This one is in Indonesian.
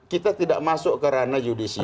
kita tidak masuk ke ranah judicial